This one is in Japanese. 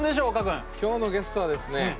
今日のゲストはですね